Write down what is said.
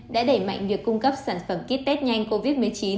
đã đẩy mạnh việc cung cấp sản phẩm kit test nhanh covid một mươi chín